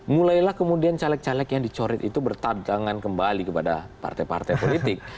mulailah kemudian caleg caleg yang dicoret itu bertadangan kembali kepada partai partai politik